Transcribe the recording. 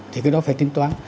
thì cái đó phải tính toán